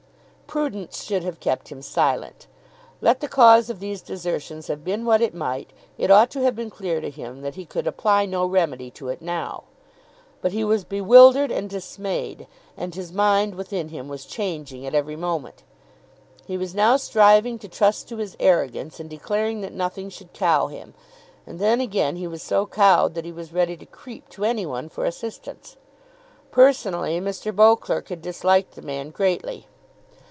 Prudence should have kept him silent. Let the cause of these desertions have been what it might, it ought to have been clear to him that he could apply no remedy to it now. But he was bewildered and dismayed, and his mind within him was changing at every moment. He was now striving to trust to his arrogance and declaring that nothing should cow him. And then again he was so cowed that he was ready to creep to any one for assistance. Personally, Mr. Beauclerk had disliked the man greatly.